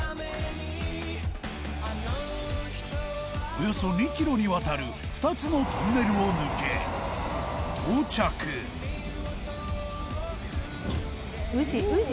およそ２キロにわたる２つのトンネルを抜け、到着羽田：宇治？